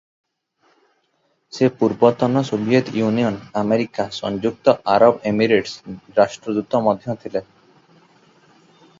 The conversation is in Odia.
ସେ ପୂର୍ବତନ ସୋଭିଏତ ୟୁନିୟନ, ଆମେରିକା, ସଂଯୁକ୍ତ ଆରବ ଏମିରେଟ୍ସରେ ରାଷ୍ଟ୍ରଦୂତ ମଧ୍ୟ ଥିଲେ ।